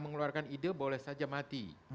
mengeluarkan ide boleh saja mati